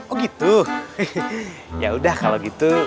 oh gitu yaudah kalo gitu